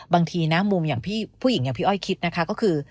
บางทีมุมผู้หญิงอย่างพี่อ้อยคิดนะคะก็คือ